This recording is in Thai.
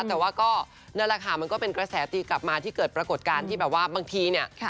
แต่ว่าก็นั่นแหละค่ะมันก็เป็นกระแสตีกลับมาที่เกิดปรากฏการณ์ที่แบบว่าบางทีเนี่ย